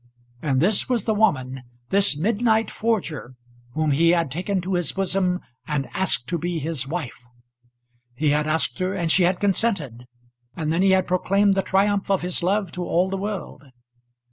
And this was the woman, this midnight forger, whom he had taken to his bosom, and asked to be his wife! He had asked her, and she had consented, and then he had proclaimed the triumph of his love to all the world.